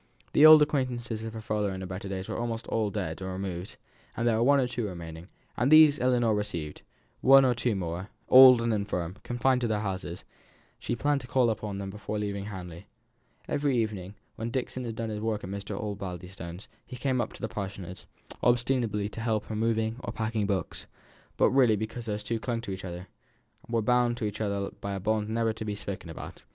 The old acquaintances of her father in his better days were almost all dead or removed; there were one or two remaining, and these Ellinor received; one or two more, old and infirm, confined to their houses, she planned to call upon before leaving Hamley. Every evening, when Dixon had done his work at Mr. Osbaldistone's, he came up to the Parsonage, ostensibly to help her in moving or packing books, but really because these two clung to each other were bound to each other by a bond never to be spoken about.